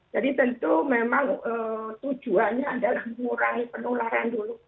jadi tentu memang tujuannya adalah mengurangi penularan dulu